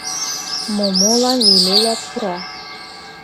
Момолан Емеля пура.